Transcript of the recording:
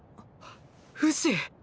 フシ！